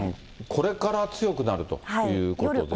これから強くなるということですね。